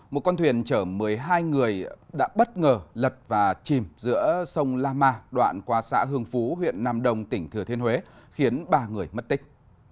một con thuyền chở một mươi hai người đã bất ngờ lật và chìm giữa sông la ma đoạn qua xã hương phú huyện nam đông tỉnh thừa thiên huế khiến ba người mất tích